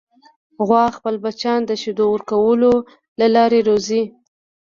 غوا خپل بچیان د شیدو ورکولو له لارې روزي.